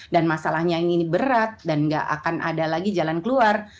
dan masalahnya ini berat dan nggak akan ada lagi jalan keluar